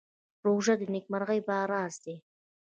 روژه د نېکمرغۍ راز دی.